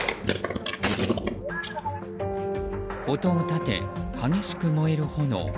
音を立て、激しく燃える炎。